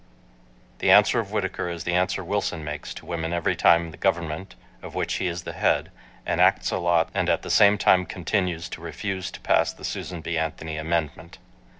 The answer of Whittaker is the answer Wilson makes to women every time the Government, of which he is the head, enacts a law and at the same time continues to refuse to pass the Susan B. Anthony amendment